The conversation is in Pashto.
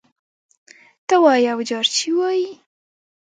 ته وا یو جارچي وايي: